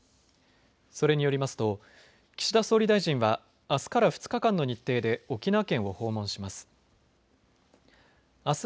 それによりますと岸田総理大臣はあすから２日間の日程で沖縄県を訪問します。